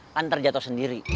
kan terjatuh sendiri